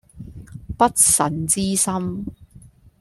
不臣之心